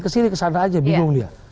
kesini kesana aja bingung dia